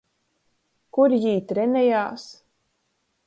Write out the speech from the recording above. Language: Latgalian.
Kur jī trenejās?